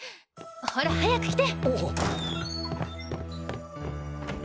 ほら早く来て！！